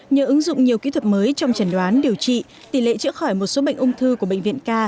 nhờ ứng dụng nhiều kỹ thuật mới trong trần đoán điều trị tỷ lệ chữa khỏi một số bệnh ung thư của bệnh viện ca